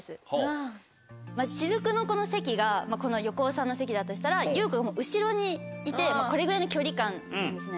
雫の席がこの横尾さんの席だとしたら。にいてこれぐらいの距離感なんですね。